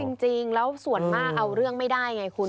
จริงแล้วส่วนมากเอาเรื่องไม่ได้ไงคุณ